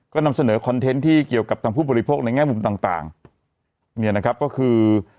ก็นำเสนอคอนเทนต์ที่เกี่ยวกับทางผู้บริโภคในแง่มุมต่างต่างเนี่ยนะครับก็คือ